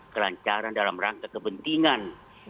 kelancaran dalam rangka kepentingan